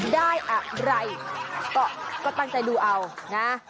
ได้อะไรก็ตั้งใจดูเอานะ